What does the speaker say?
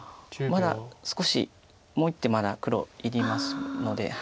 まだ少しもう１手まだ黒いりますので。